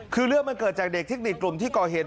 คือเรื่องมันเกิดจากเด็กเทคนิคกลุ่มที่ก่อเหตุ